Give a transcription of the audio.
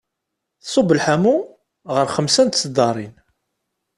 Tṣub lḥamu ɣer xemsa n tseddarin.